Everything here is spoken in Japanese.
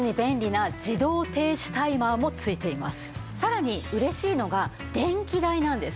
またこちらさらに嬉しいのが電気代なんです。